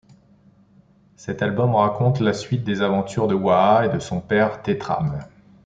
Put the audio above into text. Cet album raconte la suite des aventures de Waha et de son père Teträm.